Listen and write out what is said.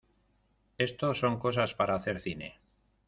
esto son cosas para hacer cine.